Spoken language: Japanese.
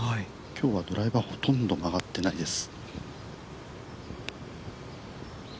今日はドライバーほとんど曲がってないです。